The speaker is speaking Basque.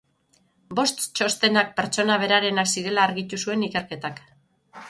Bost txostenak pertsona berarenak zirela argitu zuen ikerketak.